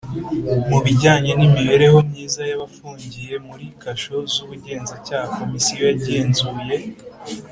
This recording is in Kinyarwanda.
Mu bijyanye n imibereho myiza y abafungiye muri Kasho z Ubugenzacyaha Komisiyo yagenzuye